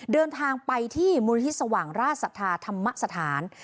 เดินทางไปที่มธิสวรรค์ราชสัทธาธรรมสถาน